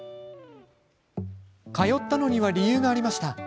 通ったのには理由がありました。